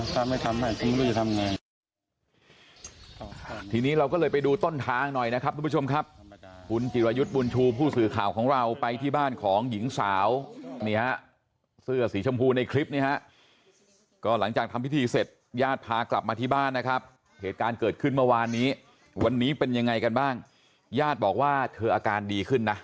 ถ้าไม่ทำได้จริงไม่รู้จะทำยังไง